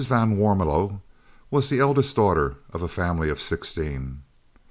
van Warmelo was the eldest daughter of a family of sixteen.